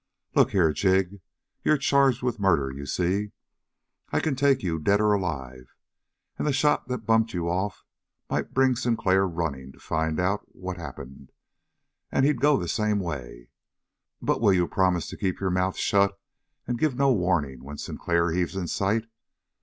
"Look here, Jig: You're charged with a murder, you see? I can take you dead or alive; and the shot that bumped you off might bring Sinclair running to find out what'd happened, and he'd go the same way. But will you promise to keep your mouth shut and give no warning when Sinclair heaves in sight?